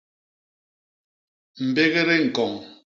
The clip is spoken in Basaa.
Mbégdé ñkoñ.